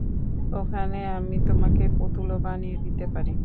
ওখানে আমি তোমাকে পুতুলও বানিয়ে দিতে পারি।